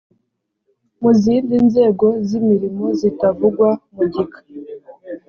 mu zindi nzego z imirimo zitavugwa mu gika